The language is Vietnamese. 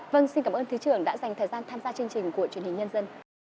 vâng xin cảm ơn thứ trưởng đã dành thời gian tham gia chương trình của truyền hình nhân dân